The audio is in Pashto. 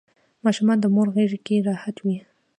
ماشوم د مور غیږکې راحت وي.